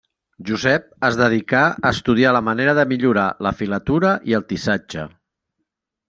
Josep es dedicà a estudiar la manera de millorar la filatura i el tissatge.